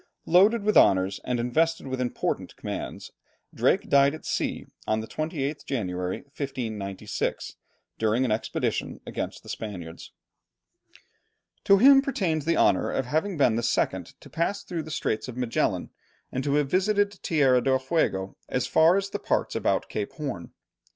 Loaded with honours, and invested with important commands, Drake died at sea on the 28th January, 1596, during an expedition against the Spaniards. To him pertains the honour of having been the second to pass through the Strait of Magellan, and to have visited Tierra del Fuego as far as the parts about Cape Horn.